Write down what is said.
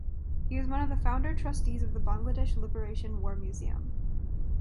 He is one of the founder trustees of the Bangladesh Liberation War Museum.